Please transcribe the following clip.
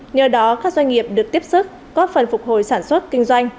nhờ đó các doanh nghiệp được tiếp sức góp phần phục hồi sản xuất kinh doanh